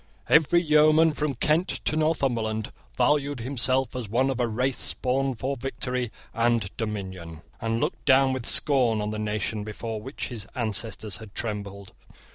Every yeoman from Kent to Northumberland valued himself as one of a race born for victory and dominion, and looked down with scorn on the nation before which his ancestors had trembled.